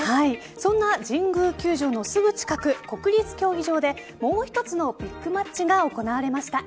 そんな神宮球場のすぐ近く国立競技場でもう一つのビッグマッチが行われました。